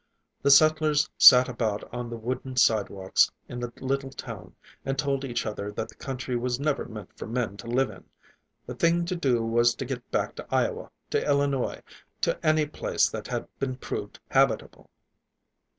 The settlers sat about on the wooden sidewalks in the little town and told each other that the country was never meant for men to live in; the thing to do was to get back to Iowa, to Illinois, to any place that had been proved habitable.